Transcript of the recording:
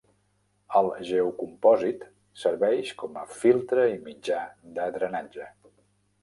El geocompòsit serveix com a filtre i mitjà de drenatge.